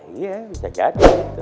iya bisa jadi